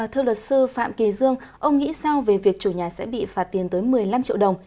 thưa luật sư phạm kỳ dương ông nghĩ sao về việc chủ nhà sẽ bị phạt tiền tới một mươi năm triệu đồng